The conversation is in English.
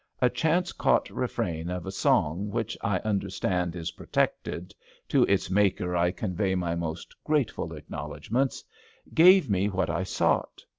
A chance caught refrain of a song which I understand is protected — ^to its maker I convey my most grateful acknowl edgments — ^gave me what I sought.